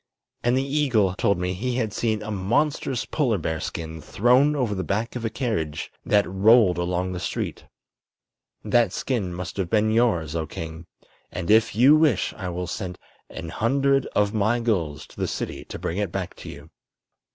And the eagle told me he had seen a monstrous polar bear skin thrown over the back of a carriage that rolled along the street. That skin must have been yours, oh king, and if you wish I will sent an hundred of my gulls to the city to bring it back to you."